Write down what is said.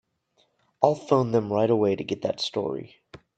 I'll phone them right away to get that story.